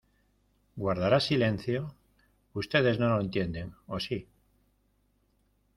¿ Guardarás silencio? ¿ ustedes no lo entienden, o si ?